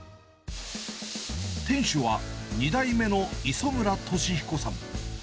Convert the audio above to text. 店主は２代目の磯村俊彦さん。